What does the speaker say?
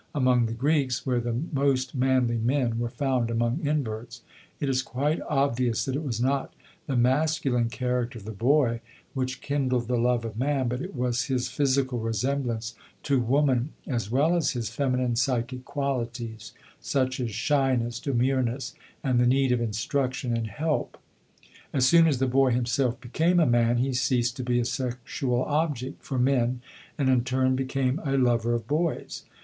Among the Greeks, where the most manly men were found among inverts, it is quite obvious that it was not the masculine character of the boy which kindled the love of man, but it was his physical resemblance to woman as well as his feminine psychic qualities, such as shyness, demureness, and the need of instruction and help. As soon as the boy himself became a man he ceased to be a sexual object for men and in turn became a lover of boys.